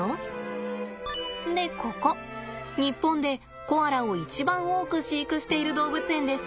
でここ日本でコアラを一番多く飼育している動物園です。